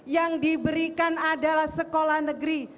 yang diberikan adalah sekolah negeri